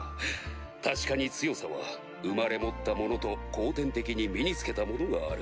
確かに強さは生まれ持ったものと後天的に身に付けたものがある。